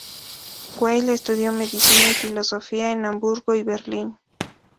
Weil estudió medicina y filosofía en Hamburgo y Berlín.